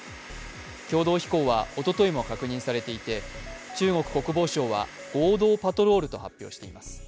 共同飛行はおとといも確認されていて中国国防省は合同パトロールと発表しています。